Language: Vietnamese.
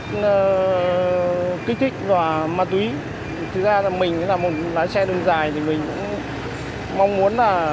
con gái khám màng màng điều khiển ra handle clark không nghiêm túy pardon của các khoa học luân sự